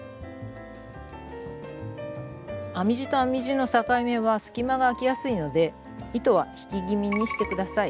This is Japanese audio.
編み地と編み地の境目は隙間があきやすいので糸は引き気味にして下さい。